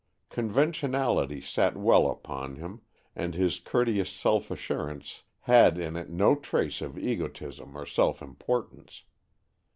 Conventionality sat well upon him, and his courteous self assurance had in it no trace of egotism or self importance.